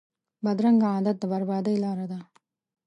بدرنګه عادت د بربادۍ لاره ده